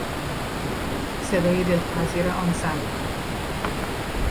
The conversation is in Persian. صدای دلپذیر آن زن